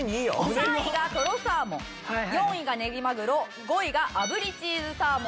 ３位がとろサーモン４位がねぎまぐろ５位があぶりチーズサーモン。